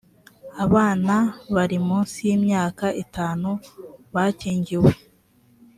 abana bari munsi y’imyaka itanu bakingiwe